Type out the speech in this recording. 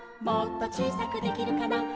「もっとちいさくできるかな」